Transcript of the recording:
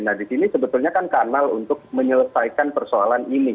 nah disini sebetulnya kan kanal untuk menyelesaikan persoalan ini